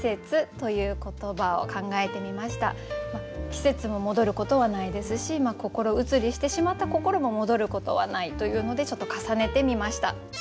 季節も戻ることはないですし心移りしてしまった心も戻ることはないというのでちょっと重ねてみました。